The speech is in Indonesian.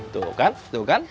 tuh tuh kan